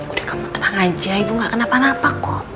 udah kamu tenang aja ibu gak kenapa napa kok